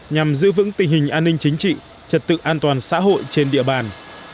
nhằm giữ vững tình hình an ninh chính trị trật tự an toàn xã hội trên địa bàn